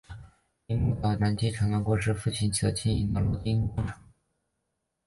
铃木岛男承继了过世的父亲所经营的螺钉工厂。